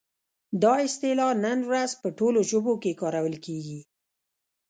دا اصطلاح نن ورځ په ټولو ژبو کې کارول کیږي.